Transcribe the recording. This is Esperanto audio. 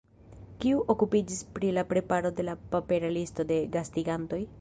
Kiu okupiĝis pri la preparo de la papera listo de gastigantoj?